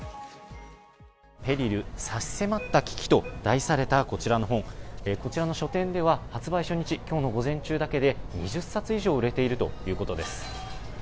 『ＰＥＲＩＬ（差し迫った危機）』と題されたこちらの本、こちらの書店では発売初日、今日の午前中だけで２０冊以上売れているということです。